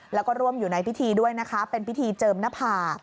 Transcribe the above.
แล้วก็ร่วมอยู่ในพิธีด้วยนะคะเป็นพิธีเจิมหน้าผาก